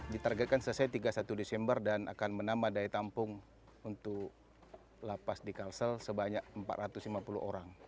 ditargetkan selesai tiga puluh satu desember dan akan menambah daya tampung untuk lapas di kalsel sebanyak empat ratus lima puluh orang